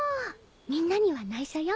みんなには内緒よ。